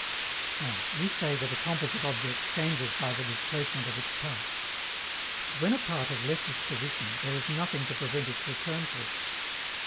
Now, we say that a composite object changes by the displacement of its parts. But when a part has left its position, there is nothing to prevent its return to it.